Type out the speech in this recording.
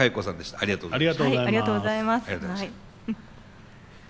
ありがとうございます。